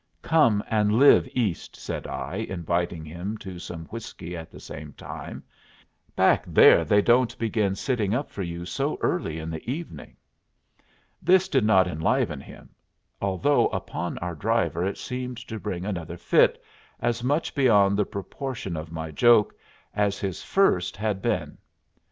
"Come and live East," said I, inviting him to some whiskey at the same time. "Back there they don't begin sitting up for you so early in the evening." This did not enliven him, although upon our driver it seemed to bring another fit as much beyond the proportion of my joke as his first had been.